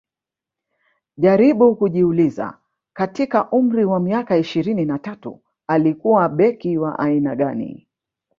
jaribu kujiuliza katika umri wa miaka ishirini na tatu alikuwa beki wa aina gani